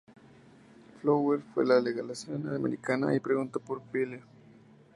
Fowler fue a la Legación americana y preguntó por Pyle.